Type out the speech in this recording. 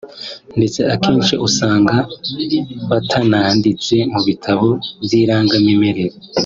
ndetse akenshi ugasanga batananditse mu bitabo by’irangamimerere